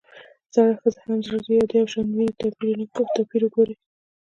زړه ښځه هم زړۀ لري ؛ د يوشان ويونو توپير وګورئ!